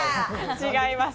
違います。